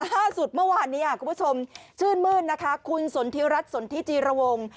ล่าสุดเมื่อวานนี้คุณผู้ชมชื่นมื้นนะคะคุณสนทิรัฐสนทิจีระวง